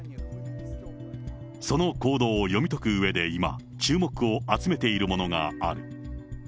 その行動を読み解くうえで今、注目を集めているものがある。